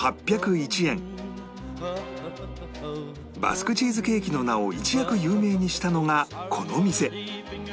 バスクチーズケーキの名を一躍有名にしたのがこの店